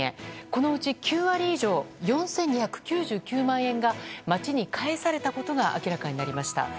このうち９割以上４２９９万円が町に返されたことが明らかになりました。